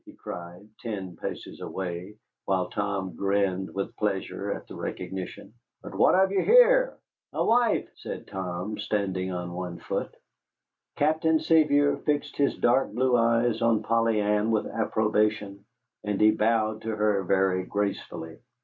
he cried, ten paces away, while Tom grinned with pleasure at the recognition. "But what have you here?" "A wife," said Tom, standing on one foot. Captain Sevier fixed his dark blue eyes on Polly Ann with approbation, and he bowed to her very gracefully.